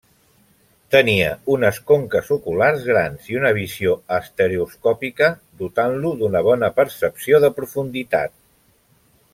Tenia unes conques oculars grans i una visió estereoscòpica, dotant-lo d'una bona percepció de profunditat.